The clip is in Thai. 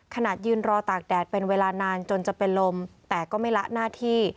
ขนาดยืนรอตากแดดเป็นเวลานานจนจะเป็นลมแต่ก็ไม่ละหน้าที่